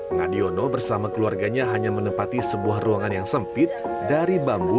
ngadiono bersama keluarganya hanya menempati sebuah ruangan yang sempit dari bambu